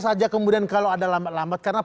saja kemudian kalau ada lambat lambat karena